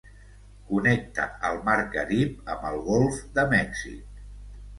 Connecta el mar Carib amb el golf de Mèxic.